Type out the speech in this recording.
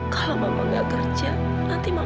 kalau mama gak kerja nanti mama dipecat ma